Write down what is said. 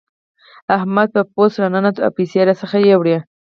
احمد په پوست راننوت او پيسې راڅخه يوړې.